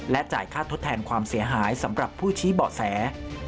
จ่ายค่าทดแทนความเสียหายสำหรับผู้ชี้เบาะแส